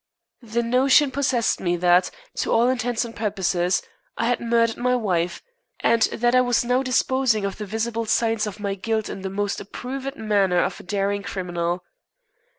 The notion possessed me that, to all intents and purposes, I had murdered my wife, and that I was now disposing of the visible signs of my guilt in the most approved manner of a daring criminal.